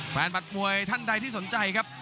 บัตรมวยท่านใดที่สนใจครับ